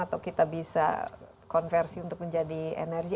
atau kita bisa konversi untuk menjadi energi